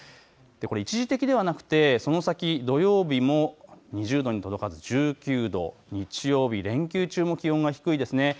これ一時的ではなくてその先土曜日も２０度に届かず１９度、日曜日、連休中も気温が低いですね。